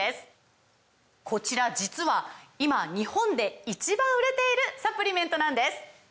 こちら実は今日本で１番売れているサプリメントなんです！